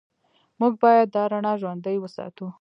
موږ باید دا رڼا ژوندۍ وساتو.